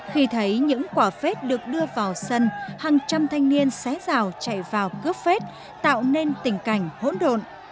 khi thấy những quả phết được đưa vào sân hàng trăm thanh niên xé rào chạy vào cướp phết tạo nên tình cảnh hỗn độn